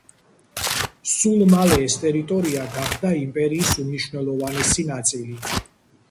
სულ მალე, ეს ტერიტორია გახდა იმპერიის უმნიშვნელოვანესი ნაწილი.